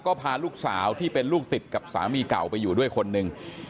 ก็พาลูกสาวที่เป็นลูกติดกับสามีเก่าไปอยู่ด้วยคนหนึ่ง